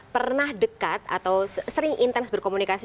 pernah dekat atau sering intens berkomunikasi